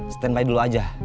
stand by dulu aja